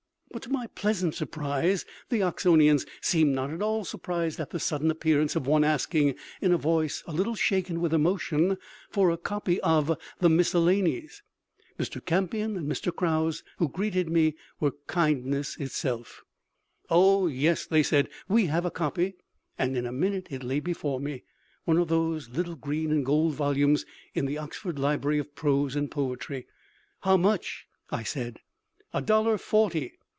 But to my pleasant surprise the Oxonians seemed not at all surprised at the sudden appearance of one asking, in a voice a little shaken with emotion, for a copy of the "Miscellanies." Mr. Campion and Mr. Krause, who greeted me, were kindness itself. "Oh, yes," they said, "we have a copy." And in a minute it lay before me. One of those little green and gold volumes in the Oxford Library of Prose and Poetry. "How much?" I said. "A dollar forty."